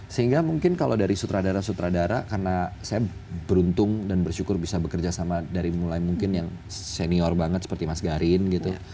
sehingga mungkin kalau dari sutradara sutradara karena saya beruntung dan bersyukur bisa bekerja sama dari mulai mungkin yang senior banget seperti mas garin gitu